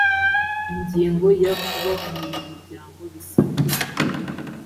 ingingo ya kuba umunyamuryango bisabwa